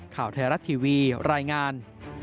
ข่าวไทยรัฐทีวีรายงาน